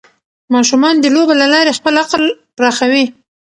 ماشومان د لوبو له لارې خپل عقل پراخوي.